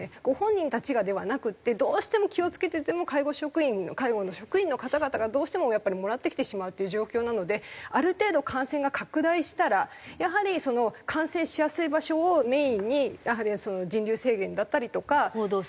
「ご本人たちが」ではなくてどうしても気を付けてても介護職員の介護の職員の方々がどうしてもやっぱりもらってきてしまうという状況なのである程度感染が拡大したらやはり感染しやすい場所をメインに人流制限だったりとか。